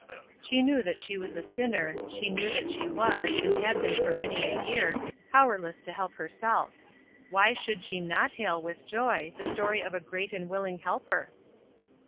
She knew that she was a sinner; she knew that she was, and had been for many a year, powerless to help herself. Why should she not hail with joy the story of a great and willing Helper?